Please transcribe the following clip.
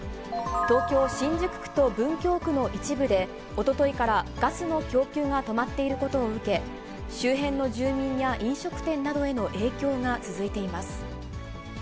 東京・新宿区と文京区の一部で、おとといからガスの供給が止まっていることを受け、周辺の住民や飲食店などへの影響が続いています。